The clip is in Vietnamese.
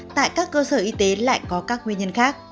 tại các cơ sở y tế lại có các nguyên nhân khác